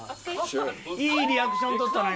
いいリアクションとったな今。